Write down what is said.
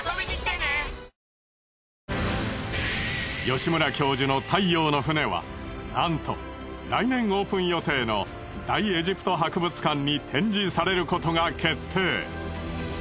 吉村教授の太陽の船はなんと来年オープン予定の大エジプト博物館に展示されることが決定。